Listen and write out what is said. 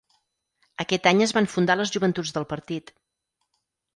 Aquest any es van fundar les Joventuts del partit.